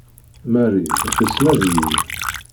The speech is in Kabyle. Marie tessmad-iyi.